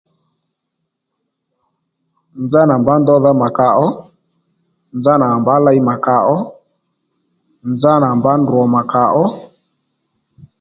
Nzanà à mbǎ ndodha mà kà ó nzanà à mbǎ ley mà kà ó nzanà à mbǎ ndrò mà kàó